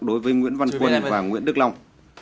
đối với nguyễn văn quân và nguyễn đức long